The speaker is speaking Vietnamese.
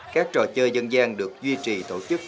các trò chơi dân gian được duy trì tổ chức